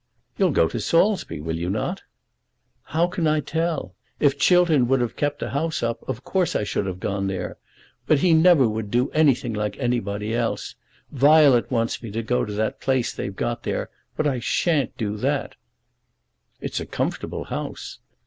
"You'll go to Saulsby; will you not?" "How can I tell? If Chiltern would have kept the house up, of course I should have gone there. But he never would do anything like anybody else. Violet wants me to go to that place they've got there, but I shan't do that." "It's a comfortable house."